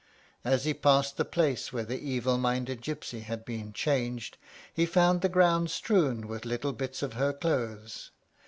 As he passed the place where that evil minded gypsy had been changed, he found the ground strewed with little bits of her clothes.